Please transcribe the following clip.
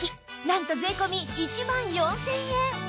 なんと税込１万４０００円